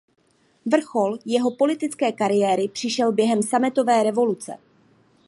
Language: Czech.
Vrchol jeho politické kariéry přišel během sametové revoluce.